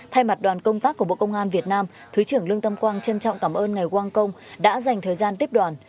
thay mặt đoàn công tác của bộ công an việt nam thứ trưởng lương tâm quang trân trọng cảm ơn ngài quang công đã dành thời gian tiếp đoàn